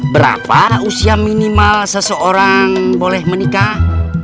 berapa usia minimal seseorang boleh menikah